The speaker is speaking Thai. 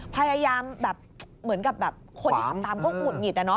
พยายามเหมือนกับคนที่ขับตามก็หมุนหญิด